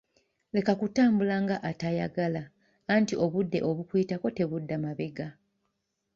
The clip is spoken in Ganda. Leka kutambula nga atayagala anti obudde obukuyitako tebudda mabega.